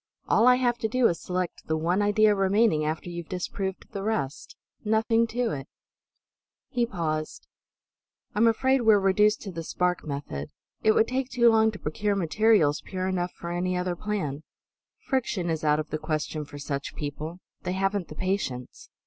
All I have to do is select the one idea remaining after you've disproved the rest. Nothing to it!" He paused. "I'm afraid we're reduced to the spark method. It would take too long to procure materials pure enough for any other plan. Friction is out of the question for such people; they haven't the patience.